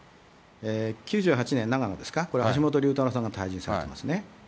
９８年、長野ですか、これは橋本龍太郎さんが退陣されてますね。